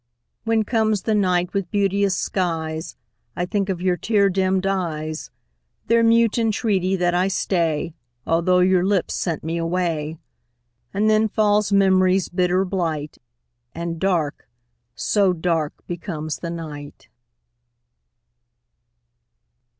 When comes the night with beauteous skies, I think of your tear dimmed eyes, Their mute entreaty that I stay, Although your lips sent me away; And then falls memory's bitter blight, And dark so dark becomes the night.